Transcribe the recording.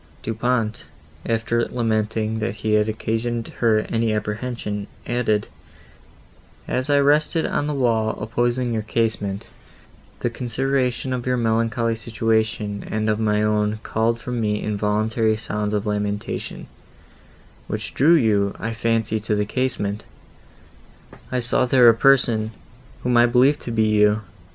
Du Pont, after lamenting, that he had occasioned her any apprehension, added, "As I rested on the wall, opposite to your casement, the consideration of your melancholy situation and of my own called from me involuntary sounds of lamentation, which drew you, I fancy, to the casement; I saw there a person, whom I believed to be you.